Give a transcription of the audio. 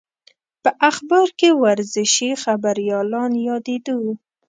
په اخبار کې ورزشي خبریالان یادېدو.